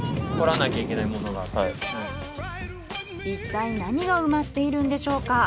いったい何が埋まっているんでしょうか？